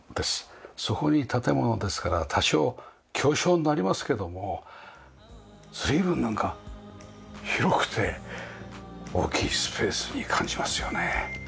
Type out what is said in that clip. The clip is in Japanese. そこに建物ですから多少狭小になりますけども随分なんか広くて大きいスペースに感じますよね。